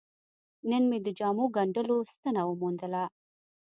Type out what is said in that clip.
نن مې د جامو ګنډلو ستنه وموندله.